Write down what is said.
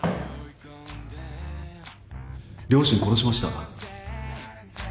両親殺しました。